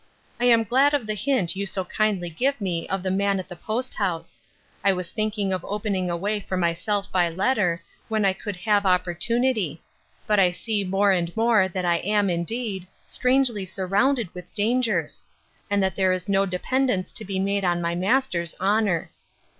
I am glad of the hint you so kindly give me of the man at the post house. I was thinking of opening a way for myself by letter, when I could have opportunity; but I see more and more that I am, indeed, strangely surrounded with dangers; and that there is no dependance to be made on my master's honour.